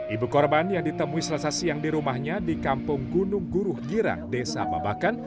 ibu korban yang ditemui selasa siang di rumahnya di kampung gunung guru girang desa babakan